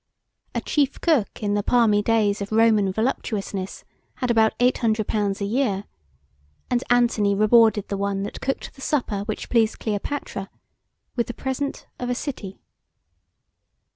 A chief cook in the palmy days of Roman voluptuousness had about £800 a year, and Antony rewarded the one that cooked the supper which pleased Cleopatra, with the present of a city.